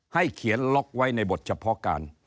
เขียนล็อกไว้ในบทเฉพาะการ